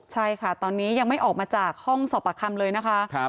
ใช่ค่ะตอนนี้ยังไม่ออกมาจากห้องสอบปากคำเลยนะคะ